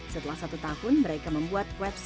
setelah satu tahun mereka membuat website e commerce